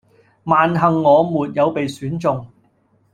萬幸我沒有被選中